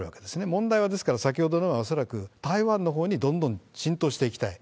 問題は、ですから、先ほどの、恐らく台湾のほうにどんどん浸透していきたい。